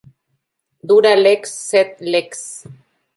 Dura lex, sed lex.